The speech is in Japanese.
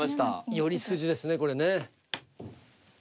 寄り筋ですねこれね。